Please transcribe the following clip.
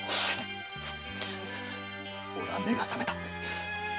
俺は目が覚めた。